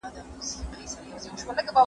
ټولو ماشومانو ښوونځیو ته لاسرسی نه درلود.